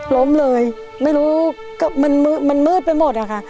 ล้มเลยไม่รู้ก็มันมืดไปหมดอะค่ะ